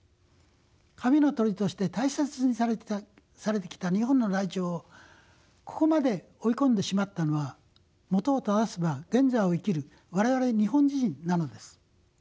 神の鳥として大切にされてきた日本のライチョウをここまで追い込んでしまったのはもとをただせば現在を生きる我々日本人なのです。